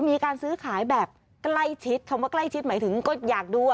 มีการซื้อขายแบบใกล้ชิดคำว่าใกล้ชิดหมายถึงก็อยากดู